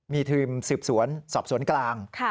มีทีมสืบสวนสอบสวนกลาง